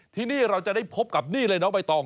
ที่นี่เราจะได้พบกับนี่เลยน้องใบตอง